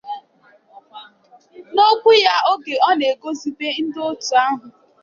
N'okwu ya oge ọ na-eguzobe ndị òtù ahụ